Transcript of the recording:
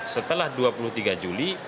setelah dua puluh tiga juli